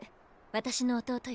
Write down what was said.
私の弟よ。